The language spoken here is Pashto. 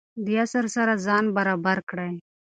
د عصر سره ځان برابر کړئ.